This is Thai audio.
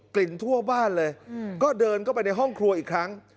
่นทั่วบ้านเลยก็เดินเข้าไปในห้องครัวอีกครั้ง